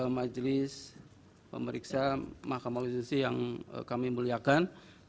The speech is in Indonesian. majelis pemeriksa mahkamah konstitusi yang kami muliakan